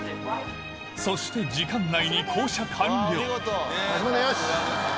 そして時間内に降車完了